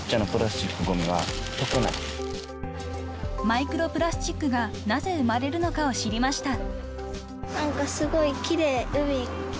［マイクロプラスチックがなぜ生まれるのかを知りました］